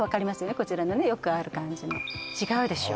こちらのよくある感じの違うでしょ？